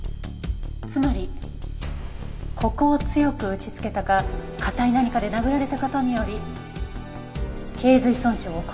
つまりここを強く打ちつけたか硬い何かで殴られた事により頚髄損傷を起こした。